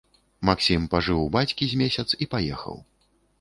Максім пажыў у бацькі з месяц і паехаў.